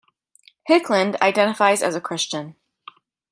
Hickland identifies as a Christian.